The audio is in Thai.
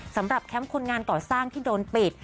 สำหรับแคมป์คนงานก่อสร้างที่โดนปิด